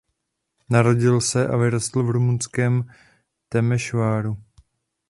Narodil se a vyrostl v rumunském Temešváru.